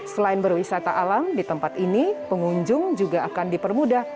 selain berwisata alam di tempat ini pengunjung juga akan dipermudah